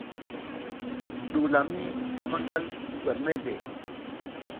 Ɗuwula mi da maƞgal, i ngwat mezle.